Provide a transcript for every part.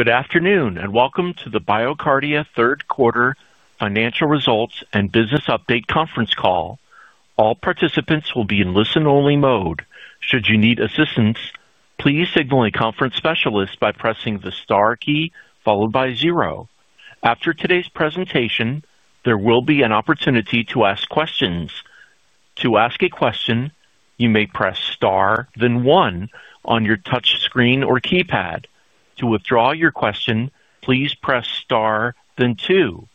Good afternoon and welcome to the BioCardia third quarter financial results and business update conference call. All participants will be in listen-only mode. Should you need assistance, please signal a conference specialist by pressing the star key followed by zero. After today's presentation, there will be an opportunity to ask questions. To ask a question, you may press star, then one on your touch screen or keypad. To withdraw your question, please press star, then two.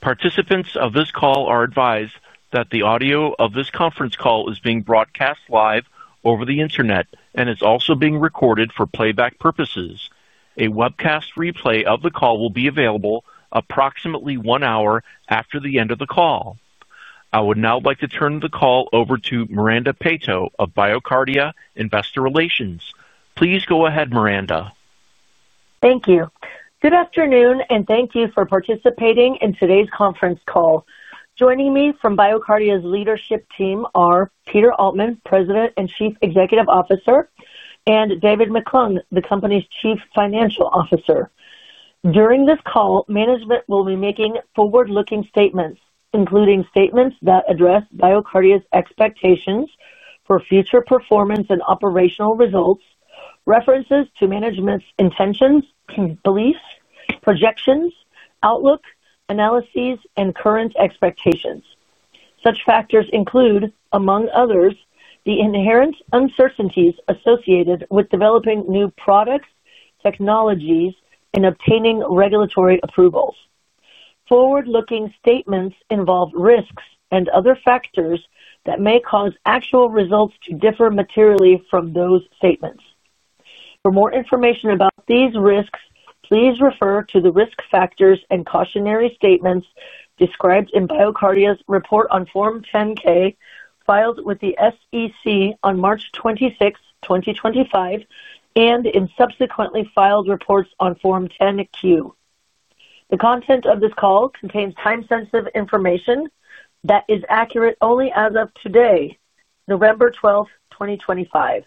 Participants of this call are advised that the audio of this conference call is being broadcast live over the internet and is also being recorded for playback purposes. A webcast replay of the call will be available approximately one hour after the end of the call. I would now like to turn the call over to Miranda Peto of BioCardia Investor Relations. Please go ahead, Miranda. Thank you. Good afternoon and thank you for participating in today's conference call. Joining me from BioCardia's leadership team are Peter Altman, President and Chief Executive Officer, and David McClung, the company's Chief Financial Officer. During this call, management will be making forward-looking statements, including statements that address BioCardia's expectations for future performance and operational results, references to management's intentions, beliefs, projections, outlook, analyses, and current expectations. Such factors include, among others, the inherent uncertainties associated with developing new products, technologies, and obtaining regulatory approvals. Forward-looking statements involve risks and other factors that may cause actual results to differ materially from those statements. For more information about these risks, please refer to the risk factors and cautionary statements described in BioCardia's report on Form 10-K filed with the SEC on March 26, 2025, and in subsequently filed reports on Form 10-Q. The content of this call contains time-sensitive information that is accurate only as of today, November 12, 2025.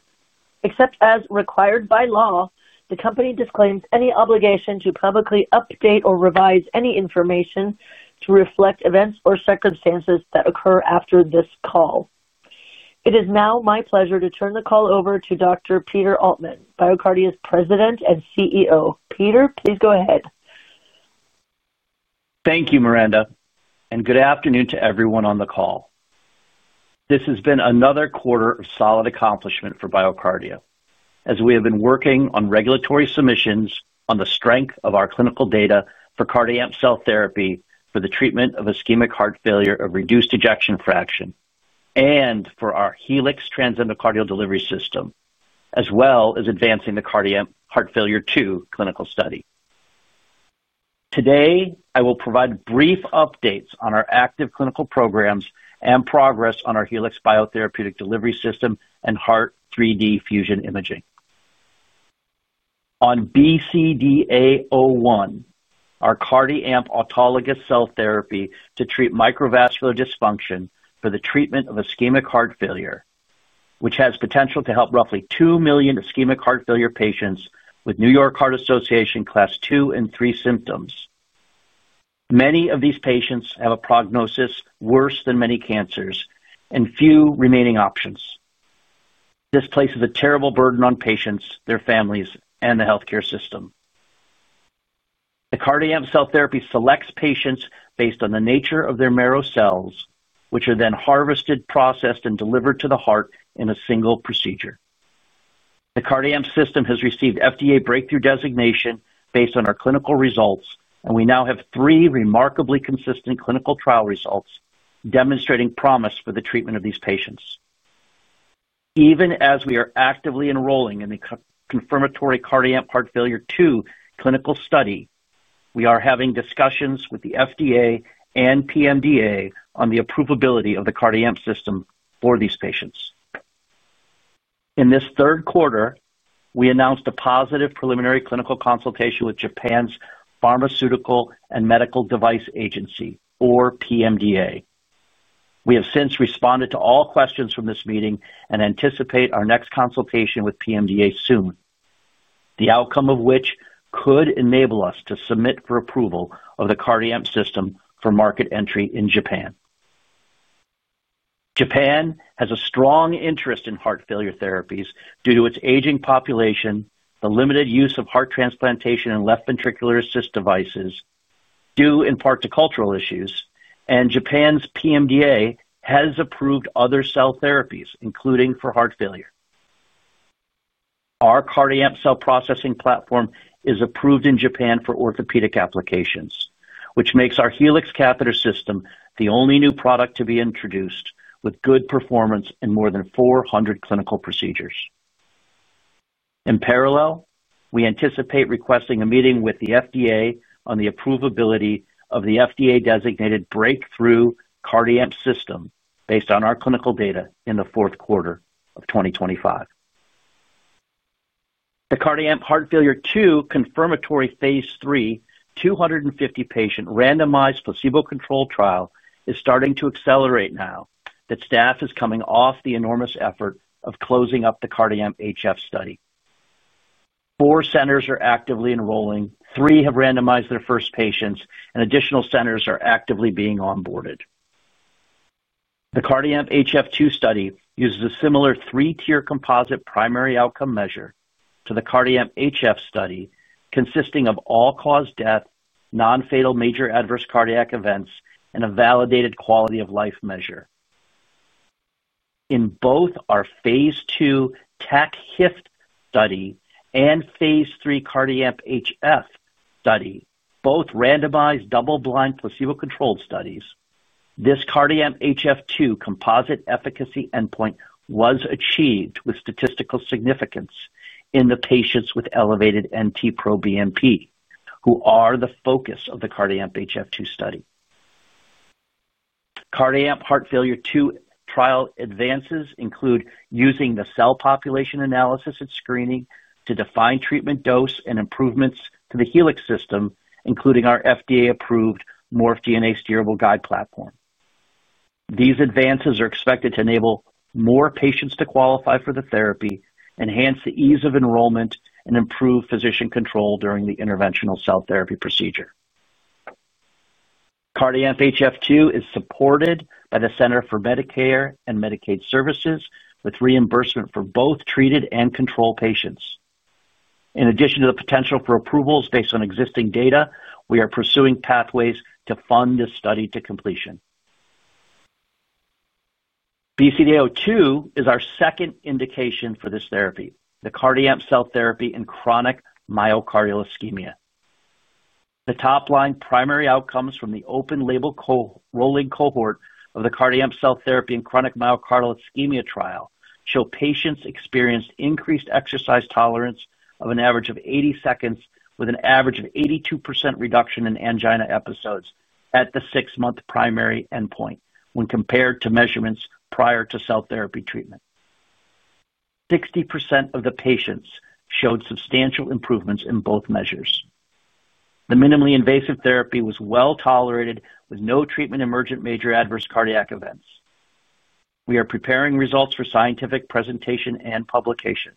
Except as required by law, the company disclaims any obligation to publicly update or revise any information to reflect events or circumstances that occur after this call. It is now my pleasure to turn the call over to Dr. Peter Altman, BioCardia's President and CEO. Peter, please go ahead. Thank you, Miranda, and good afternoon to everyone on the call. This has been another quarter of solid accomplishment for BioCardia as we have been working on regulatory submissions on the strength of our clinical data for CardiAMP cell therapy for the treatment of ischemic heart failure of reduced ejection fraction and for our Helix transendocardial delivery system, as well as advancing the CardiAMP Heart Failure II clinical study. Today, I will provide brief updates on our active clinical programs and progress on our Helix Biotherapeutic Delivery System and Heart3D Fusion Imaging. On BCDA-01, our CardiAMP Autologous Cell Therapy to treat microvascular dysfunction for the treatment of ischemic heart failure, which has potential to help roughly 2 million ischemic heart failure patients with New York Heart Association Class II and III symptoms. Many of these patients have a prognosis worse than many cancers and few remaining options. This places a terrible burden on patients, their families, and the healthcare system. The CardiAMP cell therapy selects patients based on the nature of their marrow cells, which are then harvested, processed, and delivered to the heart in a single procedure. The CardiAMP system has received FDA breakthrough designation based on our clinical results, and we now have three remarkably consistent clinical trial results demonstrating promise for the treatment of these patients. Even as we are actively enrolling in the confirmatory CardiAMP Heart Failure II clinical study, we are having discussions with the FDA and PMDA on the approvability of the CardiAMP system for these patients. In this third quarter, we announced a positive preliminary clinical consultation with Japan's Pharmaceuticals and Medical Devices Agency, or PMDA. We have since responded to all questions from this meeting and anticipate our next consultation with PMDA soon, the outcome of which could enable us to submit for approval of the CardiAMP system for market entry in Japan. Japan has a strong interest in heart failure therapies due to its aging population, the limited use of heart transplantation and left ventricular assist devices due in part to cultural issues, and Japan's PMDA has approved other cell therapies, including for heart failure. Our CardiAMP cell processing platform is approved in Japan for orthopedic applications, which makes our Helix catheter system the only new product to be introduced with good performance in more than 400 clinical procedures. In parallel, we anticipate requesting a meeting with the FDA on the approvability of the FDA-designated breakthrough CardiAMP system based on our clinical data in the fourth quarter of 2025. The CardiAMP Heart Failure II confirmatory phase III 250-patient randomized placebo-controlled trial is starting to accelerate now that staff is coming off the enormous effort of closing up the CardiAMP HF study. Four centers are actively enrolling, three have randomized their first patients, and additional centers are actively being onboarded. The CardiAMP HF II study uses a similar three-tier composite primary outcome measure to the CardiAMP HF study, consisting of all-cause death, non-fatal major adverse cardiac events, and a validated quality of life measure. In both our Phase II TACHIFT study and Phase III CardiAMP HF study, both randomized double-blind placebo-controlled studies, this CardiAMP HF II composite efficacy endpoint was achieved with statistical significance in the patients with elevated NTproBNP, who are the focus of the CardiAMP HF II study. CardiAMP Heart Failure II trial advances include using the cell population analysis and screening to define treatment dose and improvements to the Helix system, including our FDA-approved Morph DNA steerable guide platform. These advances are expected to enable more patients to qualify for the therapy, enhance the ease of enrollment, and improve physician control during the interventional cell therapy procedure. CardiAMP HF II is supported by the Center for Medicare and Medicaid Services with reimbursement for both treated and controlled patients. In addition to the potential for approvals based on existing data, we are pursuing pathways to fund this study to completion. BCDA-02 is our second indication for this therapy, the CardiAMP cell therapy in chronic myocardial ischemia. The top-line primary outcomes from the open-label rolling cohort of the CardiAMP cell therapy in chronic myocardial ischemia trial show patients experienced increased exercise tolerance of an average of 80 seconds with an average of 82% reduction in angina episodes at the six-month primary endpoint when compared to measurements prior to cell therapy treatment. 60% of the patients showed substantial improvements in both measures. The minimally invasive therapy was well tolerated with no treatment emergent major adverse cardiac events. We are preparing results for scientific presentation and publication.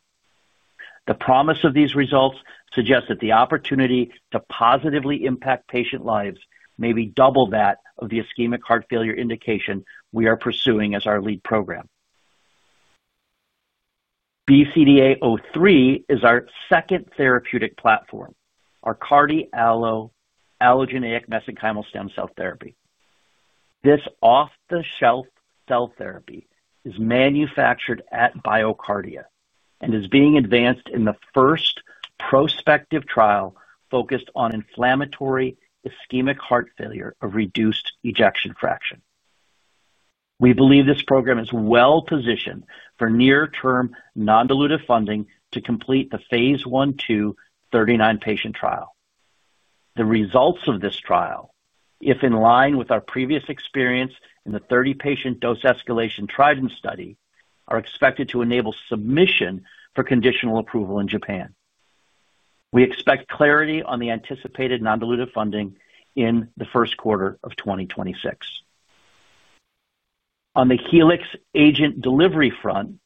The promise of these results suggests that the opportunity to positively impact patient lives may be double that of the ischemic heart failure indication we are pursuing as our lead program. BCDA-03 is our second therapeutic platform, our CardiALLO allogeneic mesenchymal stem cell therapy. This off-the-shelf cell therapy is manufactured at BioCardia and is being advanced in the first prospective trial focused on inflammatory ischemic heart failure of reduced ejection fraction. We believe this program is well positioned for near-term non-dilutive funding to complete the Phase I/II 39-patient trial. The results of this trial, if in line with our previous experience in the 30-patient dose escalation Trident study, are expected to enable submission for conditional approval in Japan. We expect clarity on the anticipated non-dilutive funding in the first quarter of 2026. On the Helix agent delivery front,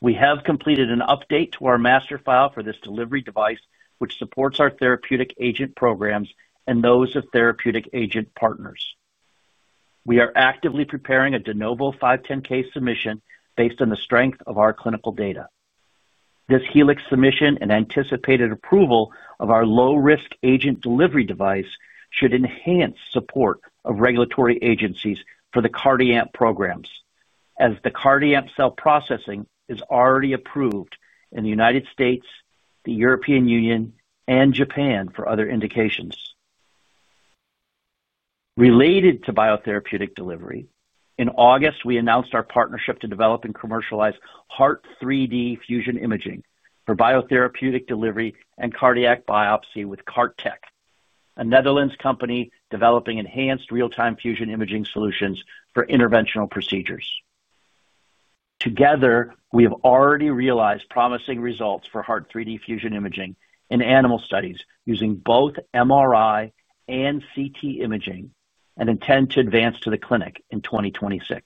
we have completed an update to our master file for this delivery device, which supports our therapeutic agent programs and those of therapeutic agent partners. We are actively preparing a Denovo 510(k) submission based on the strength of our clinical data. This Helix submission and anticipated approval of our low-risk agent delivery device should enhance support of regulatory agencies for the CardiAMP programs, as the CardiAMP cell processing is already approved in the United States, the European Union, and Japan for other indications. Related to biotherapeutic delivery, in August, we announced our partnership to develop and commercialize Heart3D Fusion Imaging for biotherapeutic delivery and cardiac biopsy with CART-Tech, a Netherlands company developing enhanced real-time fusion imaging solutions for interventional procedures. Together, we have already realized promising results for Heart3D Fusion Imaging in animal studies using both MRI and CT imaging and intend to advance to the clinic in 2026.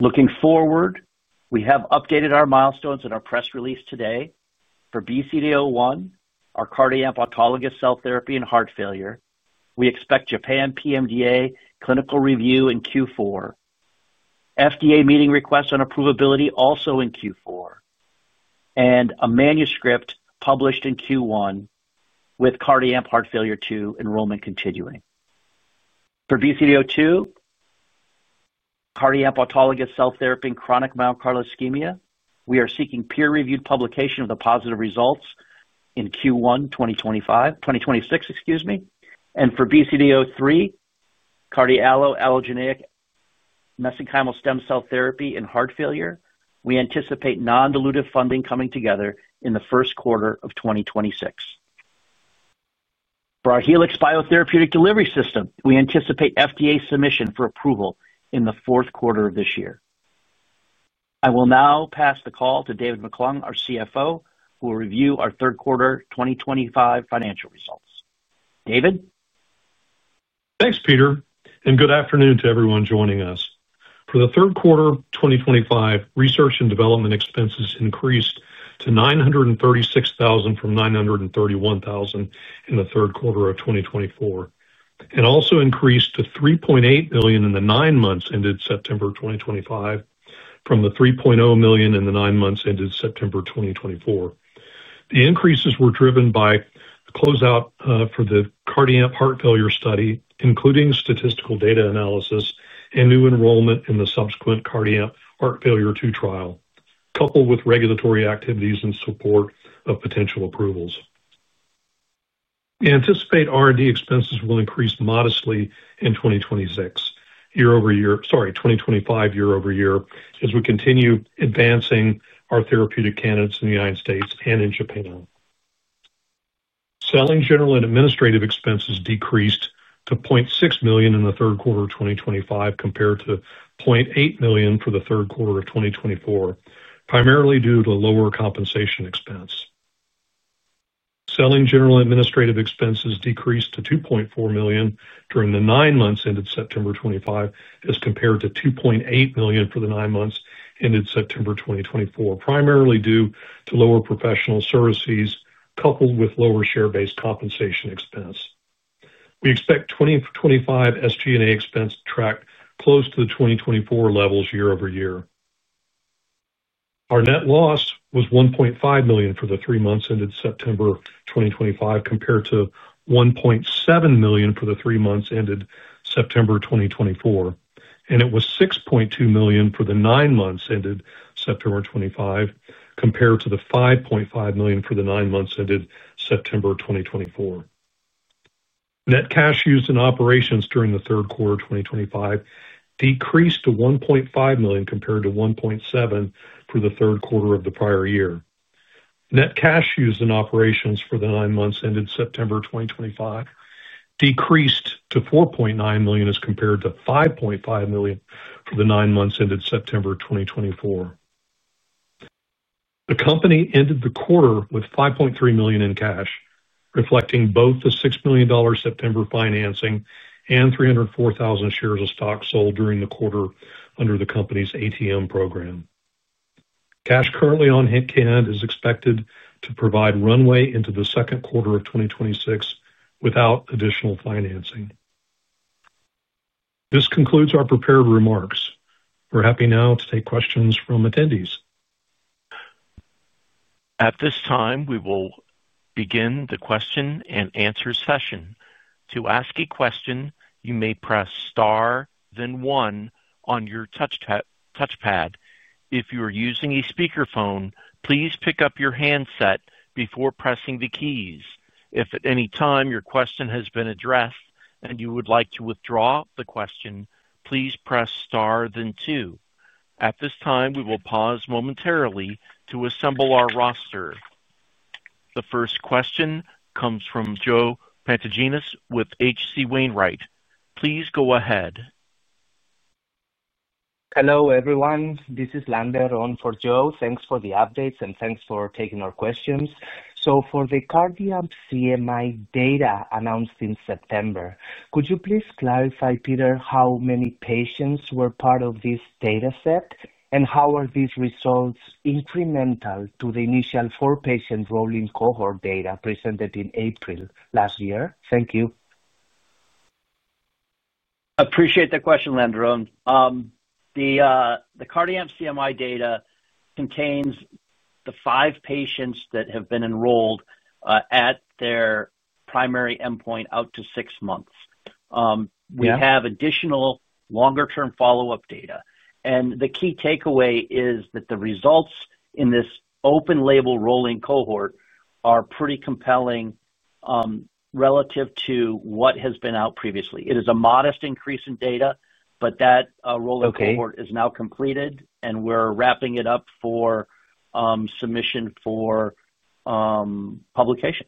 Looking forward, we have updated our milestones in our press release today. For BCDA-01, our CardiAMP Autologous Cell Therapy in heart failure, we expect Japan PMDA clinical review in Q4, FDA meeting request on approvability also in Q4, and a manuscript published in Q1 with CardiAMP Heart Failure II enrollment continuing. For BCDA-02, CardiAMP Autologous Cell Therapy in chronic myocardial ischemia, we are seeking peer-reviewed publication of the positive results in Q1 2026. For BCDA-03, CardiALLO allogeneic mesenchymal stem cell therapy in heart failure, we anticipate non-dilutive funding coming together in the first quarter of 2026. For our Helix Biotherapeutic Delivery System, we anticipate FDA submission for approval in the fourth quarter of this year. I will now pass the call to David McClung, our CFO, who will review our third quarter 2025 financial results. David? Thanks, Peter, and good afternoon to everyone joining us. For the third quarter 2025, research and development expenses increased to $936,000 from $931,000 in the third quarter of 2024, and also increased to $3.8 million in the nine months ended September 2025 from the $3.0 million in the nine months ended September 2024. The increases were driven by the closeout for the CardiAMP heart failure study, including statistical data analysis and new enrollment in the subsequent CardiAMP Heart Failure II trial, coupled with regulatory activities in support of potential approvals. We anticipate R&D expenses will increase modestly in 2026 year-over-year—sorry, 2025 year-over-year—as we continue advancing our therapeutic candidates in the United States and in Japan. Selling general and administrative expenses decreased to $0.6 million in the third quarter of 2025 compared to $0.8 million for the third quarter of 2024, primarily due to a lower compensation expense. Selling general and administrative expenses decreased to $2.4 million during the nine months ended September 2025 as compared to $2.8 million for the nine months ended September 2024, primarily due to lower professional services coupled with lower share-based compensation expense. We expect 2025 SG&A expense to track close to the 2024 levels year-over-year. Our net loss was $1.5 million for the three months ended September 2025 compared to $1.7 million for the three months ended September 2024, and it was $6.2 million for the nine months ended September 2025 compared to $5.5 million for the nine months ended September 2024. Net cash used in operations during the third quarter of 2025 decreased to $1.5 million compared to $1.7 million for the third quarter of the prior year. Net cash used in operations for the nine months ended September 2025 decreased to $4.9 million as compared to $5.5 million for the nine months ended September 2024. The company ended the quarter with $5.3 million in cash, reflecting both the $6 million September financing and 304,000 shares of stock sold during the quarter under the company's ATM program. Cash currently on hand is expected to provide runway into the second quarter of 2026 without additional financing. This concludes our prepared remarks. We're happy now to take questions from attendees. At this time, we will begin the question and answer session. To ask a question, you may press star, then one on your touchpad. If you are using a speakerphone, please pick up your handset before pressing the keys. If at any time your question has been addressed and you would like to withdraw the question, please press star, then two. At this time, we will pause momentarily to assemble our roster. The first question comes from Joe Pantaginas with HC Wainwright. Please go ahead. Hello everyone. This is Lander Rohn for Joe. Thanks for the updates and thanks for taking our questions. For the CardiAMP CMI data announced in September, could you please clarify, Peter, how many patients were part of this dataset and how are these results incremental to the initial four-patient rolling cohort data presented in April last year? Thank you. Appreciate the question, Lander Rohn. The CardiAMP CMI data contains the five patients that have been enrolled at their primary endpoint out to six months. We have additional longer-term follow-up data. The key takeaway is that the results in this open-label rolling cohort are pretty compelling relative to what has been out previously. It is a modest increase in data, but that rolling cohort is now completed, and we're wrapping it up for submission for publication.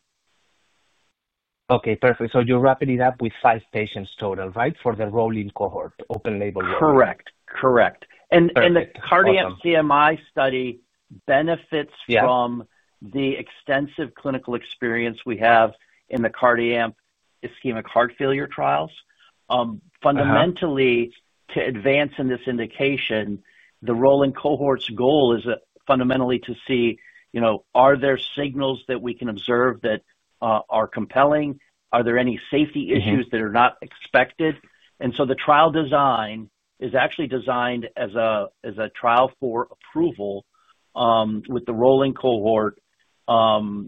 Okay, perfect. So you're wrapping it up with five patients total, right, for the rolling cohort, open-label rolling cohort? Correct. Correct. The CardiAMP CMI study benefits from the extensive clinical experience we have in the CardiAMP ischemic heart failure trials. Fundamentally, to advance in this indication, the rolling cohort's goal is fundamentally to see, are there signals that we can observe that are compelling? Are there any safety issues that are not expected? The trial design is actually designed as a trial for approval with the rolling cohort. We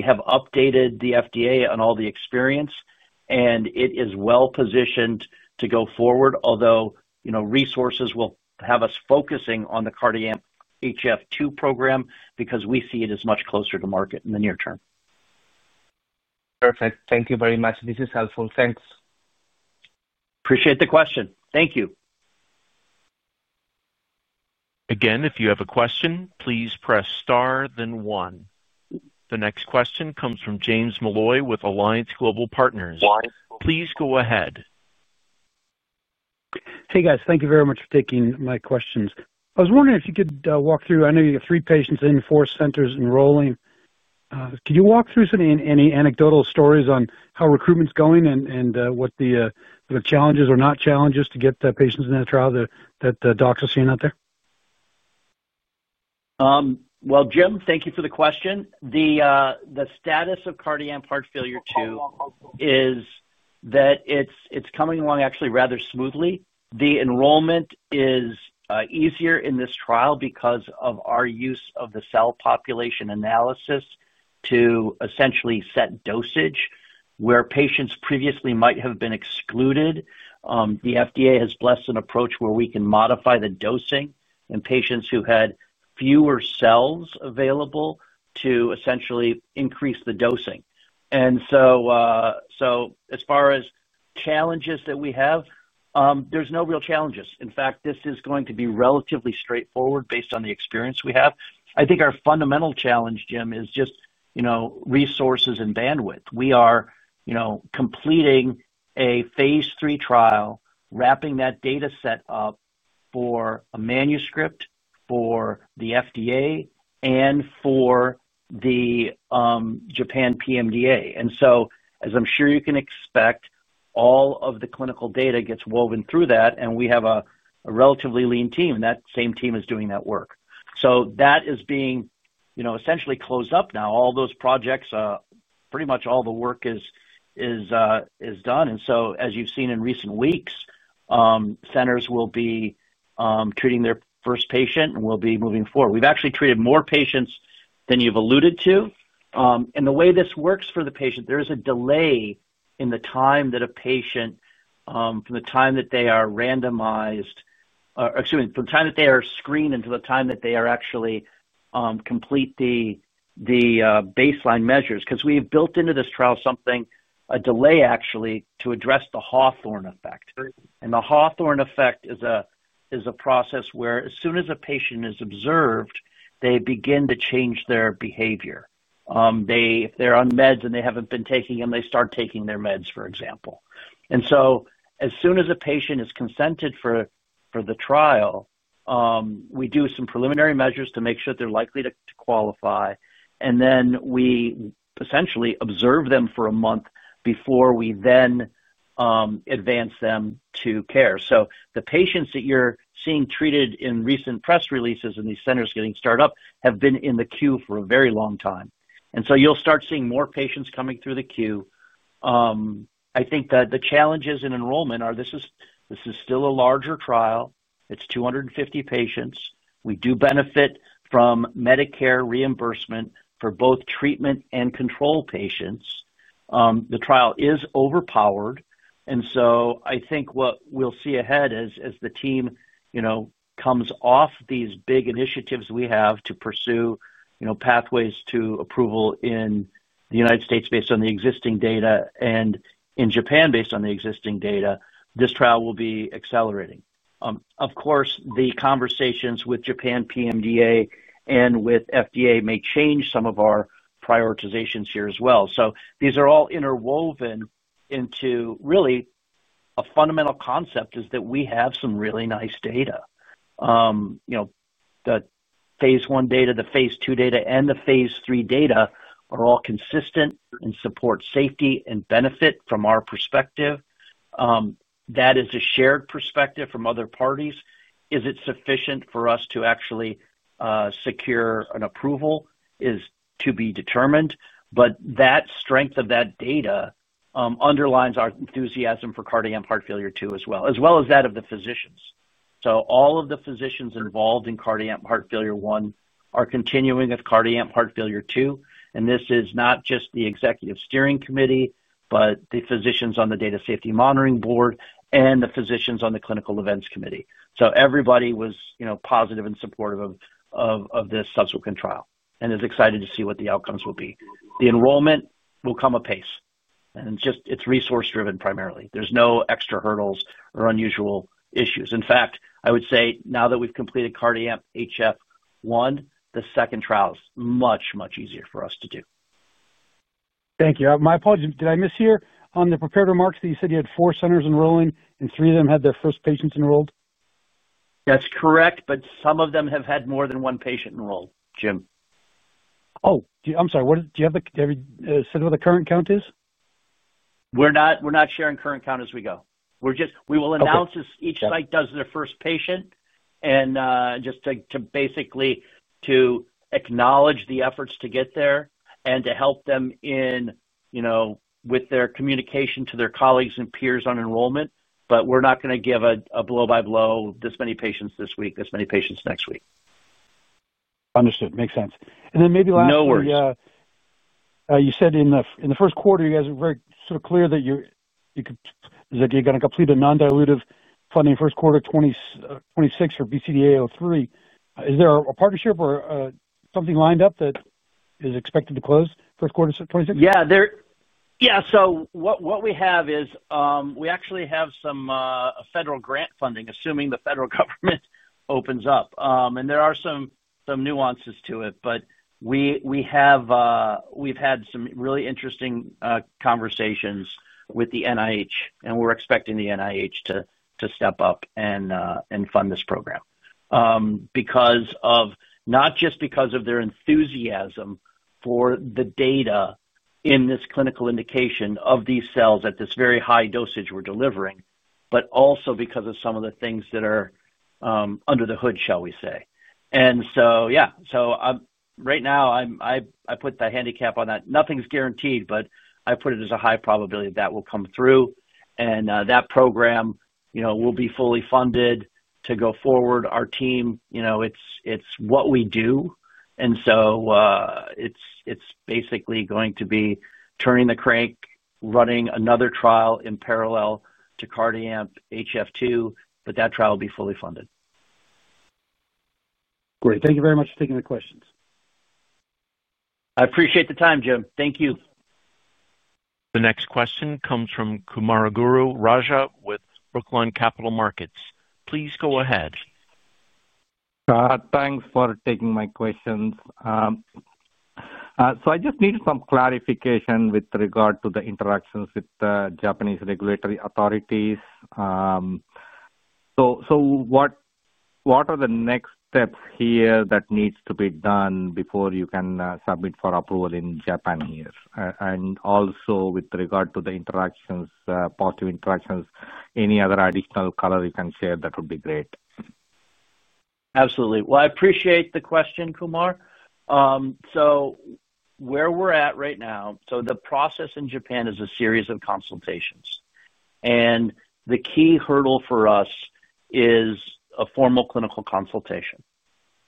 have updated the FDA on all the experience, and it is well positioned to go forward, although resources will have us focusing on the CardiAMP HF II program because we see it as much closer to market in the near term. Perfect. Thank you very much. This is helpful. Thanks. Appreciate the question. Thank you. Again, if you have a question, please press star, then one. The next question comes from James Molloy with Alliance Global Partners. Please go ahead. Hey, guys. Thank you very much for taking my questions. I was wondering if you could walk through—I know you have three patients in, four centers enrolling. Could you walk through any anecdotal stories on how recruitment's going and what the challenges or not challenges to get patients in that trial that docs are seeing out there? Jim, thank you for the question. The status of CardiAMP Heart Failure II is that it's coming along actually rather smoothly. The enrollment is easier in this trial because of our use of the cell population analysis to essentially set dosage where patients previously might have been excluded. The FDA has blessed an approach where we can modify the dosing in patients who had fewer cells available to essentially increase the dosing. As far as challenges that we have, there's no real challenges. In fact, this is going to be relatively straightforward based on the experience we have. I think our fundamental challenge, Jim, is just resources and bandwidth. We are completing a phase III trial, wrapping that dataset up for a manuscript for the FDA and for the Japan PMDA. As I'm sure you can expect, all of the clinical data gets woven through that, and we have a relatively lean team, and that same team is doing that work. That is being essentially closed up now. All those projects, pretty much all the work is done. As you've seen in recent weeks, centers will be treating their first patient and will be moving forward. We've actually treated more patients than you've alluded to. The way this works for the patient, there is a delay in the time that a patient, from the time that they are randomized—excuse me—from the time that they are screened until the time that they actually complete the baseline measures. We have built into this trial something, a delay actually, to address the Hawthorne effect. The Hawthorne effect is a process where as soon as a patient is observed, they begin to change their behavior. If they're on meds and they haven't been taking them, they start taking their meds, for example. As soon as a patient is consented for the trial, we do some preliminary measures to make sure that they're likely to qualify, and then we essentially observe them for a month before we then advance them to care. The patients that you're seeing treated in recent press releases and these centers getting started up have been in the queue for a very long time. You'll start seeing more patients coming through the queue. I think that the challenges in enrollment are this is still a larger trial. It's 250 patients. We do benefit from Medicare reimbursement for both treatment and control patients. The trial is overpowered. I think what we'll see ahead as the team comes off these big initiatives, we have to pursue pathways to approval in the United States based on the existing data and in Japan based on the existing data. This trial will be accelerating. Of course, the conversations with Japan PMDA and with FDA may change some of our prioritizations here as well. These are all interwoven into really a fundamental concept, which is that we have some really nice data. The Phase I data, the Phase II data, and the Phase III data are all consistent and support safety and benefit from our perspective. That is a shared perspective from other parties. Is it sufficient for us to actually secure an approval is to be determined. That strength of that data underlines our enthusiasm for CardiAMP Heart Failure II as well, as well as that of the physicians. All of the physicians involved in CardiAMP Heart Failure I are continuing with CardiAMP Heart Failure II. This is not just the executive steering committee, but the physicians on the data safety monitoring board and the physicians on the clinical events committee. Everybody was positive and supportive of this subsequent trial and is excited to see what the outcomes will be. The enrollment will come apace, and it's resource-driven primarily. There's no extra hurdles or unusual issues. In fact, I would say now that we've completed CardiAMP HF I, the second trial is much, much easier for us to do. Thank you. My apologies. Did I miss here on the prepared remarks that you said you had four centers enrolling and three of them had their first patients enrolled? That's correct, but some of them have had more than one patient enrolled, Jim. Oh, I'm sorry. Did you have a—did you have a—did you say what the current count is? We're not sharing current count as we go. We will announce as each site does their first patient, just to basically acknowledge the efforts to get there and to help them with their communication to their colleagues and peers on enrollment. We're not going to give a blow-by-blow this many patients this week, this many patients next week. Understood. Makes sense. Maybe last. No worries. You said in the first quarter, you guys are very sort of clear that you're going to complete a non-dilutive funding first quarter 2026 for BCDA-03. Is there a partnership or something lined up that is expected to close first quarter 2026? Yeah. Yeah. What we have is we actually have some federal grant funding, assuming the federal government opens up. There are some nuances to it, but we've had some really interesting conversations with the NIH, and we're expecting the NIH to step up and fund this program not just because of their enthusiasm for the data in this clinical indication of these cells at this very high dosage we're delivering, but also because of some of the things that are under the hood, shall we say. Yeah. Right now, I put the handicap on that. Nothing's guaranteed, but I put it as a high probability that that will come through. That program will be fully funded to go forward. Our team, it's what we do. It's basically going to be turning the crank, running another trial in parallel to CardiAMP HF II, but that trial will be fully funded. Great. Thank you very much for taking the questions. I appreciate the time, Jim. Thank you. The next question comes from Kumaraguru Raja with Brookline Capital Markets. Please go ahead. Thanks for taking my questions. I just need some clarification with regard to the interactions with the Japanese regulatory authorities. What are the next steps here that need to be done before you can submit for approval in Japan? Also, with regard to the interactions, positive interactions, any other additional color you can share, that would be great. Absolutely. I appreciate the question, Kumar. Where we're at right now, the process in Japan is a series of consultations. The key hurdle for us is a formal clinical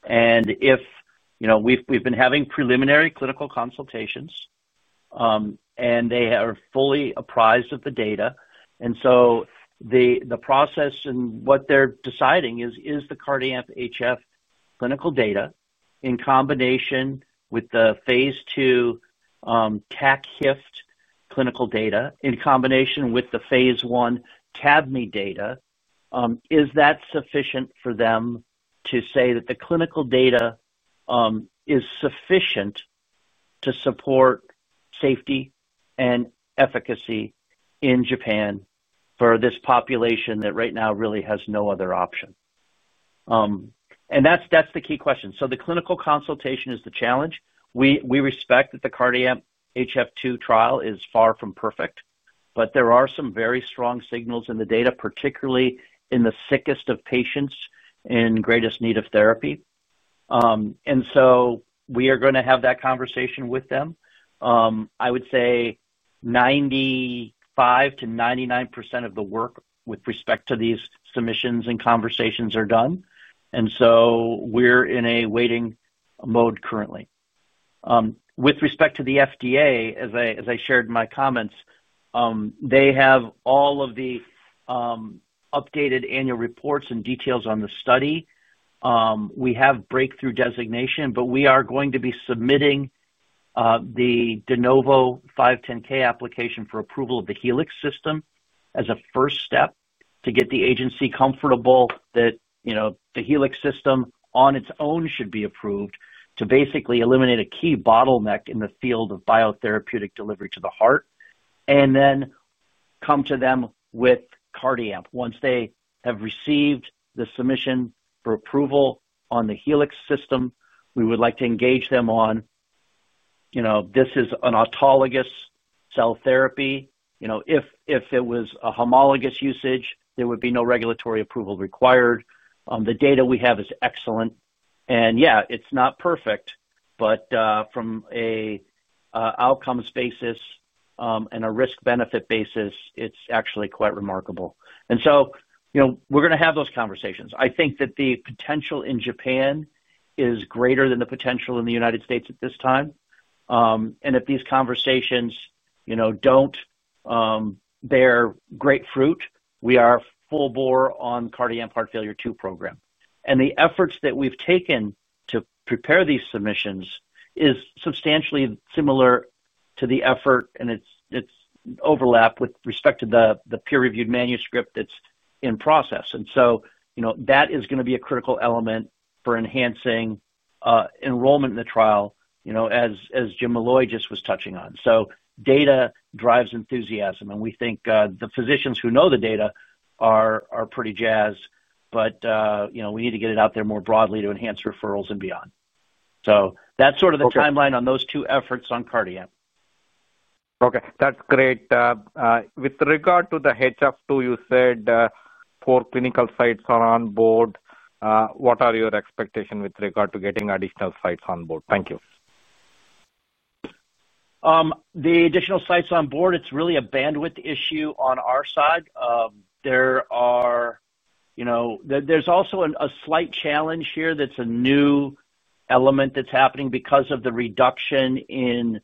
consultation. We've been having preliminary clinical consultations, and they are fully apprised of the data. The process and what they're deciding is, is the CardiAMP HF clinical data in combination with the Phase II TAC-HFT clinical data in combination with the Phase I TABMMI data, is that sufficient for them to say that the clinical data is sufficient to support safety and efficacy in Japan for this population that right now really has no other option? That's the key question. The clinical consultation is the challenge. We respect that the CardiAMP HF II trial is far from perfect, but there are some very strong signals in the data, particularly in the sickest of patients in greatest need of therapy. We are going to have that conversation with them. I would say 95%-99% of the work with respect to these submissions and conversations are done. We are in a waiting mode currently. With respect to the FDA, as I shared in my comments, they have all of the updated annual reports and details on the study. We have breakthrough designation, but we are going to be submitting the Denovo 510(k) application for approval of the Helix system as a first step to get the agency comfortable that the Helix system on its own should be approved to basically eliminate a key bottleneck in the field of biotherapeutic delivery to the heart and then come to them with CardiAMP. Once they have received the submission for approval on the Helix system, we would like to engage them on this is an autologous cell therapy. If it was a homologous usage, there would be no regulatory approval required. The data we have is excellent. Yeah, it's not perfect, but from an outcomes basis and a risk-benefit basis, it's actually quite remarkable. We are going to have those conversations. I think that the potential in Japan is greater than the potential in the United States at this time. If these conversations do not bear great fruit, we are full bore on CardiAMP Heart Failure II program. The efforts that we have taken to prepare these submissions is substantially similar to the effort, and it is overlap with respect to the peer-reviewed manuscript that is in process. That is going to be a critical element for enhancing enrollment in the trial, as Jim Molloy just was touching on. Data drives enthusiasm, and we think the physicians who know the data are pretty jazzed, but we need to get it out there more broadly to enhance referrals and beyond. That is sort of the timeline on those two efforts on CardiAMP. Okay. That's great. With regard to the HF II, you said four clinical sites are on board. What are your expectations with regard to getting additional sites on board? Thank you. The additional sites on board, it's really a bandwidth issue on our side. There's also a slight challenge here that's a new element that's happening because of the reduction in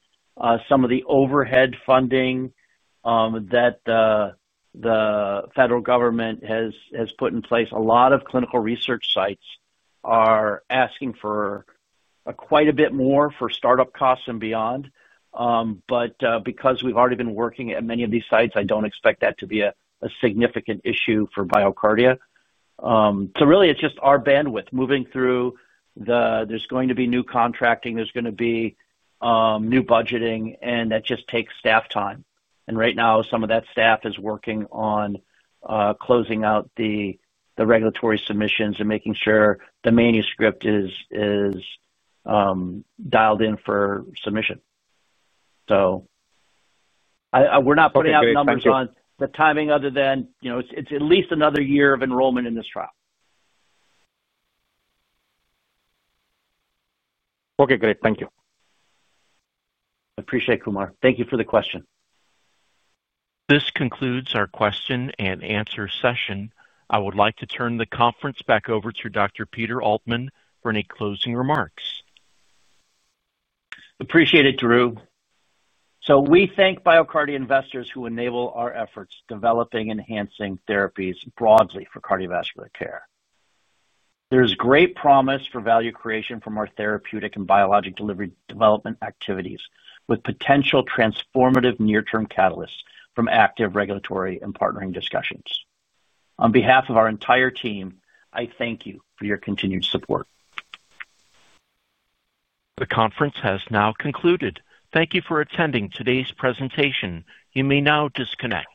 some of the overhead funding that the federal government has put in place. A lot of clinical research sites are asking for quite a bit more for startup costs and beyond. Because we've already been working at many of these sites, I don't expect that to be a significant issue for BioCardia. Really, it's just our bandwidth moving through. There's going to be new contracting. There's going to be new budgeting, and that just takes staff time. Right now, some of that staff is working on closing out the regulatory submissions and making sure the manuscript is dialed in for submission. We're not putting out numbers on the timing other than it's at least another year of enrollment in this trial. Okay. Great. Thank you. I appreciate it, Kumar. Thank you for the question. This concludes our question and answer session. I would like to turn the conference back over to Dr. Peter Altman for any closing remarks. Appreciate it, Drew. We thank BioCardia investors who enable our efforts developing and enhancing therapies broadly for cardiovascular care. There is great promise for value creation from our therapeutic and biologic delivery development activities with potential transformative near-term catalysts from active regulatory and partnering discussions. On behalf of our entire team, I thank you for your continued support. The conference has now concluded. Thank you for attending today's presentation. You may now disconnect.